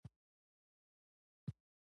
په پسرلي کي ګلان غوړيږي.